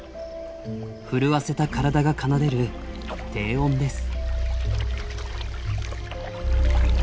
震わせた体が奏でる低音です。